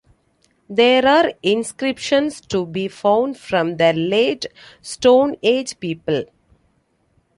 There are inscriptions to be found from the late Stone Age people.